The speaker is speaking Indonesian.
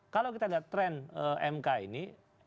kalau kita lihat tren mk ini